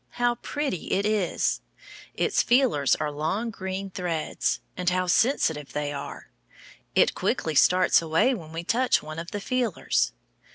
How pretty it is! Its feelers are like long green threads. And how sensitive they are! It quickly starts away when we touch one of the feelers.